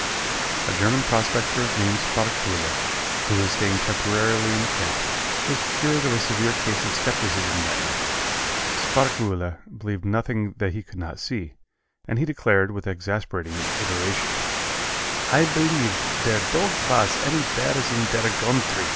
A German prospector named Sparkuhle, who was staying temporarily in the camp, was cured of a severe case of skepticism that night. Sparkuhle believed nothing that he could not see, and he declared, with exasperating iteration, "I believe there don't vas any bears in der gountry.